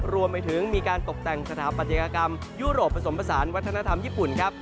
รวมไปถึงมีการตกแต่งสถาปัตยกรรมยุโรปผสมผสานวัฒนธรรมญี่ปุ่นครับ